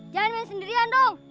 jangan main sendirian dong